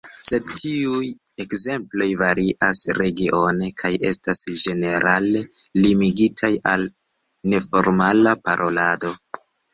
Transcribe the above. Sed tiuj ekzemploj varias regione kaj estas ĝenerale limigitaj al neformala parolado.